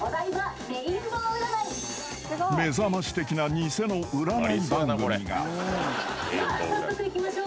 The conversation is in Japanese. ［『めざまし』的な偽の占い番組が］では早速いきましょう。